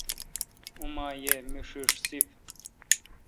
اوما یہ می ݭݭ سپ۔